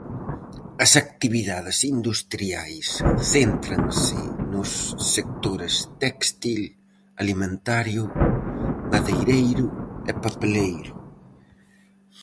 As actividades industriais céntranse nos sectores téxtil, alimentario, madeireiro e papeleiro.